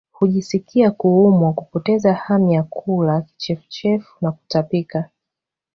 Hujisikia kuumwa kupoteza hamu ya kula kichefuchefu na kutapika